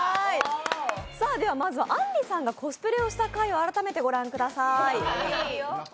まずはあんりさんがコスプレをした回を改めてご覧ください。